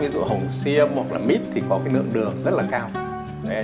ví dụ hồng xiêm hoặc là mít thì có cái lượng đường rất là cao